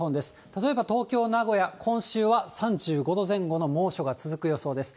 例えば東京、名古屋、今週は３５度前後の猛暑が続く予想です。